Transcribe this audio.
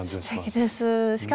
すてきです。